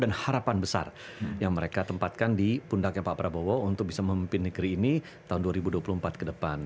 dan harapan besar yang mereka tempatkan di pundaknya pak prabowo untuk bisa memimpin negeri ini tahun dua ribu dua puluh empat ke depan